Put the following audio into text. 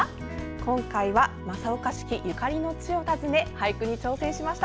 今回は正岡子規ゆかりの地を訪ね俳句に挑戦しました。